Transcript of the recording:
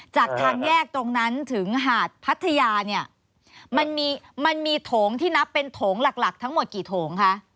จากทางแยกตรงนั้นถึงหาดพัทยาเนี่ยมันมีมันมีโถงที่นับเป็นโถงหลักทั้งหมดกี่โถงคะ